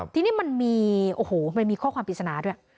ทีนี้มันมีโอ้โหมันมีข้อความปริศนาด้วย